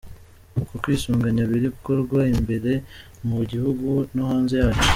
Uko kwisuganya biri gukorwa imbere mu gihugu no hanze yacyo.